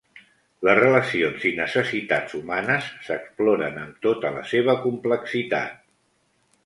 Les relacions i necessitats humanes s'exploren amb tota la seva complexitat.